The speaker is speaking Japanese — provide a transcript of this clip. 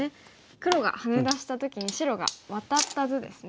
黒がハネ出した時に白がワタった図ですね。